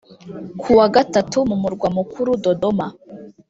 kuwa Gatatu mu murwa mukuru Dodoma